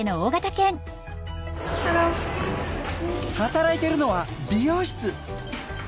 働いてるのは美容室。